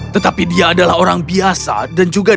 tetapi dia adalah orang biasa dan juga dia